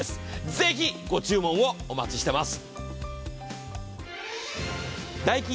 ぜひご注文をお待ちしてます。